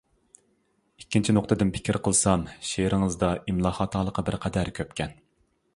ئىككىنچى نۇقتىدىن پىكىر قىلسام، شېئىرىڭىزدا ئىملا خاتالىقى بىرقەدەر كۆپكەن.